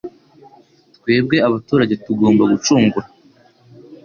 Twebwe abaturage, tugomba gucungura